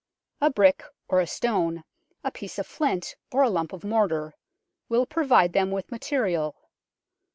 A brick or a stone, a piece of flint or a lump of mortar, will provide them with material.